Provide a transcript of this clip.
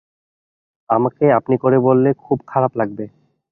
আমাকে আপনি করে বললে খুব খারাপ লাগবে।